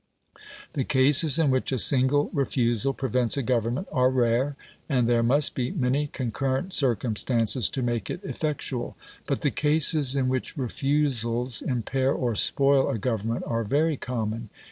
The cases in which a single refusal prevents a Government are rare, and there must be many concurrent circumstances to make it effectual. But the cases in which refusals impair or spoil a Government are very common.